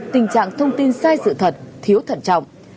tình trạng thông tin sai sự thật thiếu thận trọng